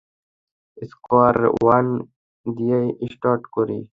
Square one দিয়েই start করি।